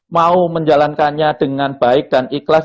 mau menjalankannya dengan baik dan ikhlas